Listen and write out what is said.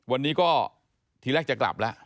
วันนี้ก็ทีแรกจะกลับแล้ว